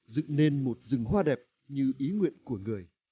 dựng nên một rừng hoa đẹp như ý nguyện của người